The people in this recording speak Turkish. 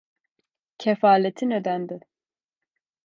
Kefaletin ödendi.